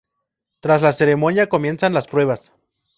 Tras la ceremonia comienzan las pruebas.